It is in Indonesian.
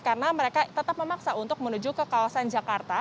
karena mereka tetap memaksa untuk menuju ke kawasan jakarta